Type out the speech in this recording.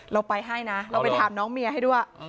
เราไปให้นะเราไปถามน้องเมียให้ด้วย